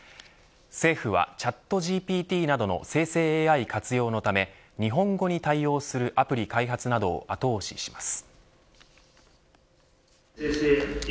政府は、チャットＧＰＴなどの生成ＡＩ活用のため日本語に対応するアプリ開発などを後押しします。